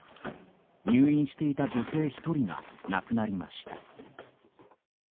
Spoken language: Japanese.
入院していた女性１人が亡くなりました。